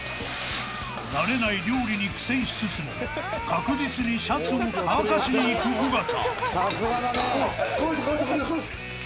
［慣れない料理に苦戦しつつも確実にシャツを乾かしにいく尾形］